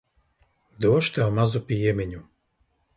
Došu tev mazu piemiņu.